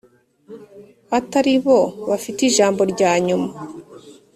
Atari bo bafite ijambo rya nyuma